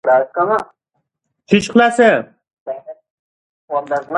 د مېلو پر مهال خلک د خپل کلتور په اړه ویاړ څرګندوي.